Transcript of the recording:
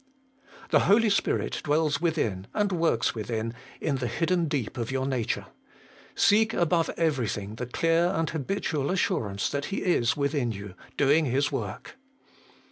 2. The Holy Spirit dwells within, and uorhs within, in the hidden deep of your nature. Seek above everything the clear and habitual assurance that He is within you, doing His work.